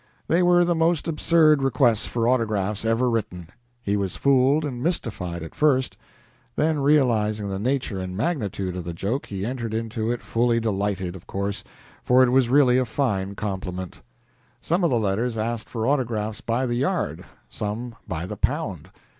They were the most absurd requests for autographs ever written. He was fooled and mystified at first, then realizing the nature and magnitude of the joke, he entered into it fully delighted, of course, for it was really a fine compliment. Some of the letters asked for autographs by the yard, some by the pound.